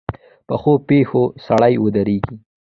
پخو پښو سړی ودرېږي